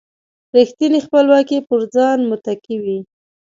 رېښتینې خپلواکي پر ځان متکي وي.